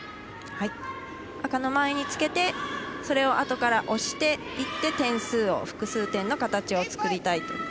赤の前につけてそれをあとから押していって点数を複数点の形を作りたいと。